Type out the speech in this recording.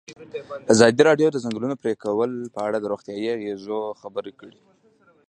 ازادي راډیو د د ځنګلونو پرېکول په اړه د روغتیایي اغېزو خبره کړې.